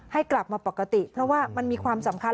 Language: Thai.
ให้กลับมาปกติเพราะว่ามันมีความสำคัญ